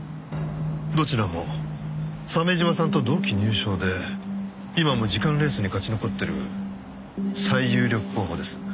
どちらも鮫島さんと同期入省で今も次官レースに勝ち残ってる最有力候補です。